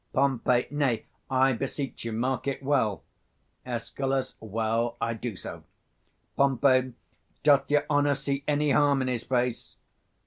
Pom. Nay, I beseech you, mark it well. Escal. Well, I do so. 145 Pom. Doth your honour see any harm in his face?